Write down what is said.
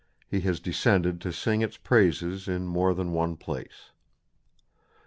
he has descended to sing its praises in more than one place."